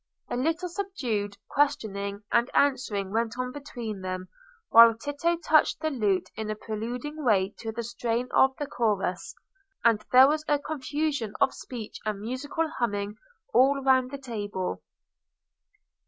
A little subdued questioning and answering went on between them, while Tito touched the lute in a preluding way to the strain of the chorus, and there was a confusion of speech and musical humming all round the table.